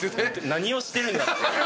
何をしてるんだっていう。